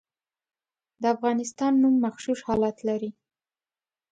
د افغانستان نوم مغشوش حالت لري.